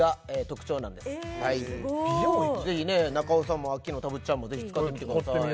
ぜひね中尾さんもアッキーナもたぶっちゃんもぜひ使ってみてくださいあっ